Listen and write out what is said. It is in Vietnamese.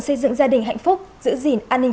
xây dựng gia đình hạnh phúc giữ gìn an ninh